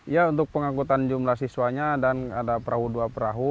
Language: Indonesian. ya untuk pengangkutan jumlah siswanya dan ada perahu dua perahu